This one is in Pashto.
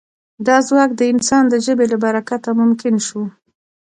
دا ځواک د انسان د ژبې له برکته ممکن شو.